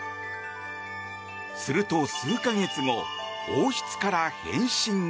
すると、数か月後王室から返信が。